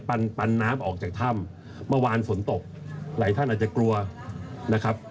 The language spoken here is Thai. ปันปันน้ำออกจากถ้ำเมื่อวานฝนตกหลายท่านอาจจะกลัวนะครับ